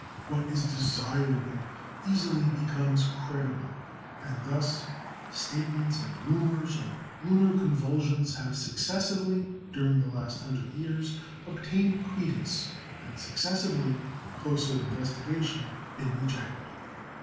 What is desirable easily becomes credible; and thus statements and rumours of lunar convulsions have successively, during the last hundred years, obtained credence, and successively, on closer investigation, been rejected.